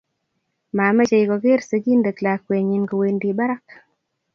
mamechei kogeer sigindet lakwenyi kowendi barak